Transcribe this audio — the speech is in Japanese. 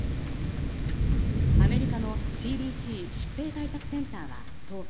アメリカのＣＤＣ・疾病対策センターは１０日